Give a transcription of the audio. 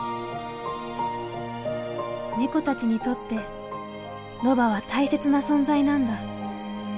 ネコたちにとってロバは大切な存在なんだ。